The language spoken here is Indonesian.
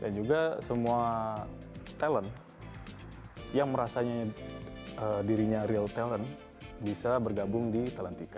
juga semua talent yang merasanya dirinya real talent bisa bergabung di talentika